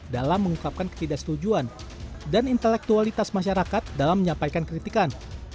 dalam mengungkapkan ketidaksetujuan dan intelektualitas masyarakat dalam menyampaikan kritikan